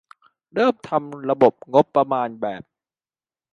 เริ่มทำระบบงบประมาณแบบ